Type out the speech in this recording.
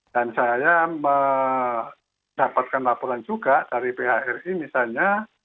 dan saya mendapatkan laporan juga dari phri misalnya